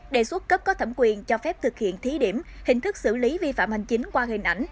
đề xuất cấp có thẩm quyền cho phép thực hiện thí điểm hình thức xử lý vi phạm hành chính qua hình ảnh